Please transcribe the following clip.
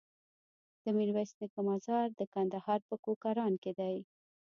د ميرويس نيکه مزار د کندهار په کوکران کی دی